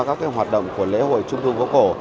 các hoạt động của lễ hội trung thu phố cổ